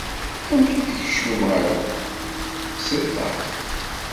"Amek i d-tkecmem ɣer da?" "Seg ṭṭaq."